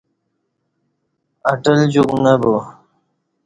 اٹال جوک نہ بو (اٹال جوک بسہ)